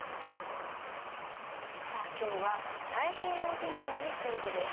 さあ今日は太平洋戦争についてです。